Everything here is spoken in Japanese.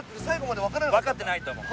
分かってないと思う。